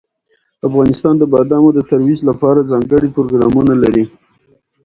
افغانستان د بادامو د ترویج لپاره ځانګړي پروګرامونه لري.